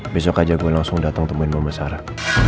besok aja gue langsung dateng temuin mama sarah